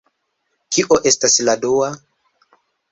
Kio estas la dua?